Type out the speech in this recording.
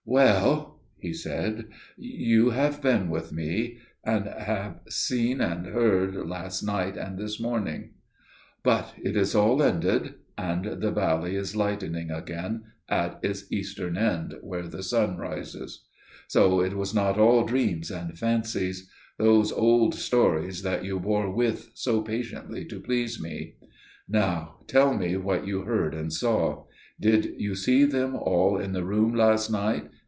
"Well," he said, "you have been with me and have seen and heard, last night and this morning; but it is all ended, and the valley is lightening again at its eastern end where the sun rises. So it was not all dreams and fancies––those old stories that you bore with so patiently to please me. Now tell me what you heard and saw. Did you see them all in the room last night?